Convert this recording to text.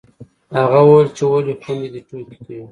هغه وويل چې ولې خویندې دې ټوکې کوي